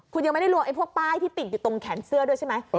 คุณยังไม่ได้รวมไอ้พวกป้ายที่ติดอยู่ตรงแขนเสื้อด้วยใช่ไหม